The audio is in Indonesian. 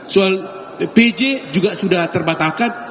soal pj juga sudah terbatalkan